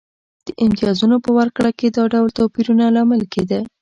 د امتیازونو په ورکړه کې دا ډول توپیرونه لامل کېده.